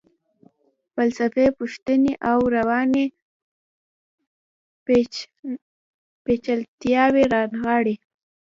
فلسفي پوښتنې او رواني پیچلتیاوې رانغاړي.